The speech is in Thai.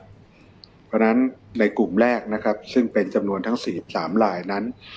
เพราะฉะนั้นในกลุ่มแรกนะครับซึ่งเป็นจำนวนทั้ง๔๓ลายนั้น